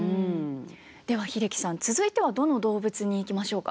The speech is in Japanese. では英樹さん続いてはどの動物に行きましょうか。